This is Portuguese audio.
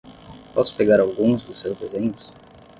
Posso pegar alguns dos seus desenhos?